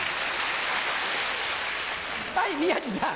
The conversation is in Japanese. はい宮治さん。